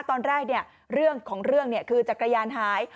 ตอนแรกเนี่ยเรื่องของเรื่องเนี่ยคือจักรยานหาย